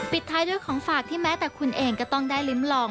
ท้ายด้วยของฝากที่แม้แต่คุณเองก็ต้องได้ลิ้มลอง